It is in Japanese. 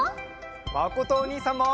まことおにいさんも！